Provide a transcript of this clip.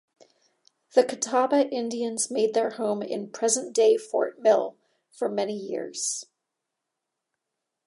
The Catawba Indians made their home in present-day Fort Mill for many years.